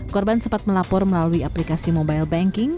korban sempat melapor melalui aplikasi mobile banking